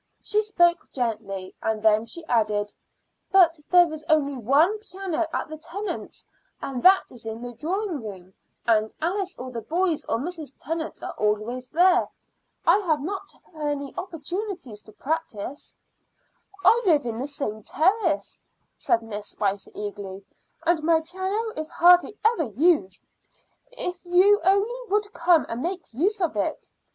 She spoke gently, and then she added: "But there is only one piano at the Tennants', and that is in the drawing room, and Alice or the boys or Mrs. Tennant are always there. I have not many opportunities to practice." "I live in the same terrace," said Miss Spicer eagerly, "and my piano is hardly ever used. If you only would come and make use of it.